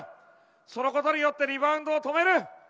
そのことによってリバウンドを止める。